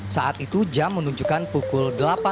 saat itu jam menunjukkan pukul delapan empat puluh